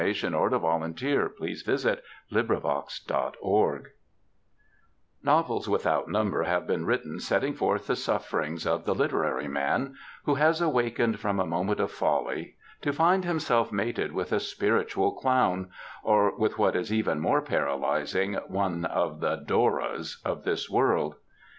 "*^ TRIALS OF THE WIFE OF A LITERARY MAN Novels without number have been written setting forth the sufferings of the Literary Man, who has awakened from a moment of folly to find himself mated with a spiritual clown, or with what is even more paralysing, one of the *^ Doras of this world.